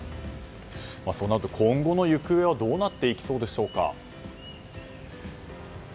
そうなると今後の行方はどうなっていきそうでしょうか？